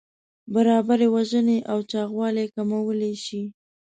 برابري وژنې او چاغوالی کمولی شي.